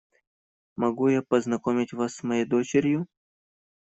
Могу я познакомить вас с моей дочерью?